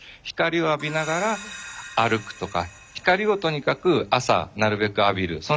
光を浴びながら歩くとか光をとにかく朝なるべく浴びる。